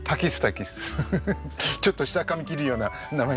ちょっと舌かみ切るような名前。